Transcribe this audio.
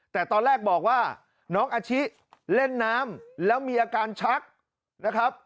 แต่ตอนแรกบอกว่าน้องอาชิเล่นน้ำแล้วมีอาการชักนะครับ